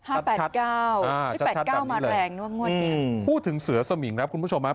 ๕๕๘๙อ้าวชัดแบบนี้เลยพูดถึงเสือสมิงครับคุณผู้ชมครับ